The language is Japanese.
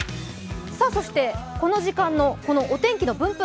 そしてこの時間のお天気の分布